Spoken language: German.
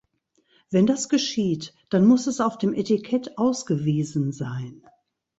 Wenn das geschieht, dann muss es auf dem Etikett ausgewiesen sein.